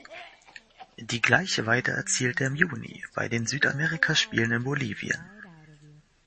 Die gleiche Weite erzielte er im Juni bei den Südamerikaspielen in Bolivien.